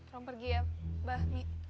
rum pergi ya bahmi